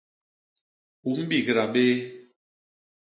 U mbigda béé.